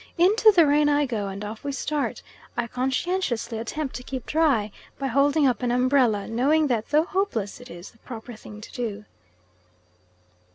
Into the rain I go, and off we start. I conscientiously attempt to keep dry, by holding up an umbrella, knowing that though hopeless it is the proper thing to do.